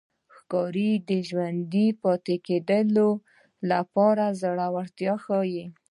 ښکاري د ژوندي پاتې کېدو لپاره زړورتیا ښيي.